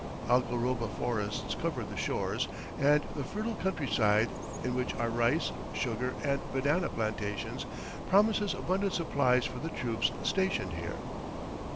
Algaroba forests cover the shores, and the fertile countryside, in which are rice, sugar and banana plantations, promises abundant supplies for the troops stationed here.